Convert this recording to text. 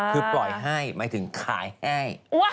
คือปล่อยให้หมายถึงขายให้